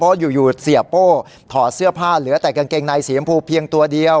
เพราะอยู่เสียโป้ถอดเสื้อผ้าเหลือแต่กางเกงในสียมพูเพียงตัวเดียว